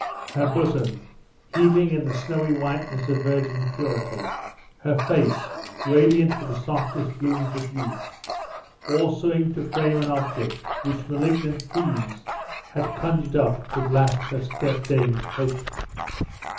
Her bosom, heaving in the snowy whiteness of virgin purity; her face, radiant with the softest blooms of youth; all seemed to frame an object which malignant fiends had conjured up to blast her stepdame's hope.